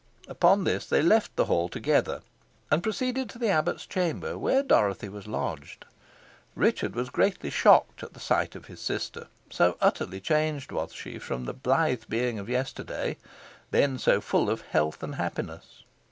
Upon this they left the hall together, and proceeded to the abbot's chamber, where Dorothy was lodged. Richard was greatly shocked at the sight of his sister, so utterly changed was she from the blithe being of yesterday then so full of health and happiness.